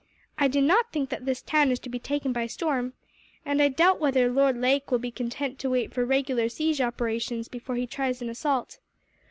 I do not think that this town is to be taken by storm, and I doubt whether Lord Lake will be content to wait for regular siege operations, before he tries an assault.